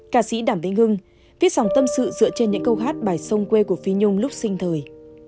cà sĩ đảm vĩnh hưng viết sòng tâm sự dựa trên những câu hát bài sông quê của phi nhung lúc sinh thời